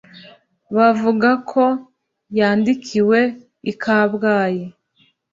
bavuga ko yandikiwe i kabgayi